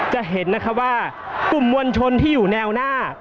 จะเห็นนะคะว่ากลุ่มมวลชนที่อยู่แนวหน้า